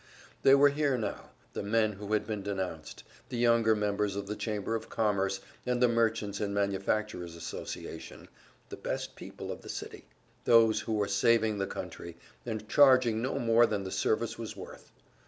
They were here now, the men who had been denounced, the younger members of the Chamber of Commerce and the Merchants' and Manufacturers' Association, the best people of the city, those who were saving the country, and charging no more than the service was worth.